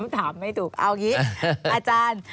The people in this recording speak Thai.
ถามไม่ถูกเอาอย่างนี้อาจารย์